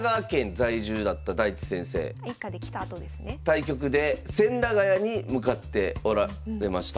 対局で千駄ヶ谷に向かっておられました。